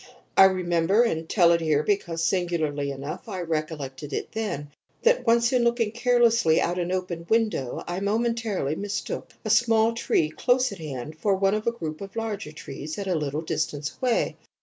I remember and tell it here because, singularly enough, I recollected it then that once, in looking carelessly out of an open window, I momentarily mistook a small tree close at hand for one of a group of larger trees at a little distance away.